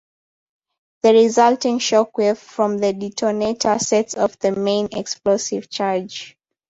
The resulting shock-wave from the detonator sets off the main explosive charge.